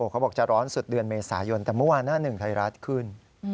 เขาบอกจะร้อนสุดเดือนเมษายนแต่เมื่อวานหน้าหนึ่งไทยรัฐขึ้น